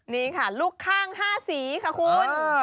นี่ค่ะลูกข้าง๕สีค่ะคุณ